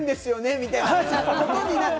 みたいなことになる。